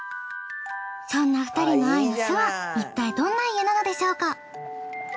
そんな２人の愛の巣はいったいどんな家なのでしょうか。